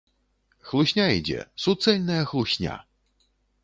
Хлусня ідзе, суцэльная хлусня!